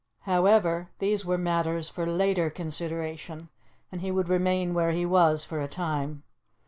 However, these were matters for later consideration, and he would remain where he was for a time.